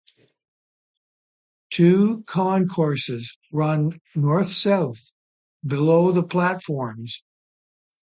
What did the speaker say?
Two concourses run north-south below the platforms.